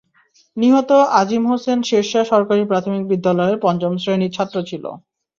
নিহত আজিম হোসেন শেরশাহ সরকারি প্রাথমিক বিদ্যালয়ের পঞ্চম শ্রেণির ছাত্র ছিল।